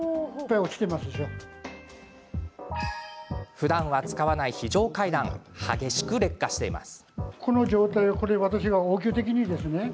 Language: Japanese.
ふだんは使わない非常階段激しく劣化しています。